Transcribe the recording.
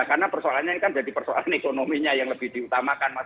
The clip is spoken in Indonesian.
karena persoalannya kan jadi persoalan ekonominya yang lebih diutamakan mas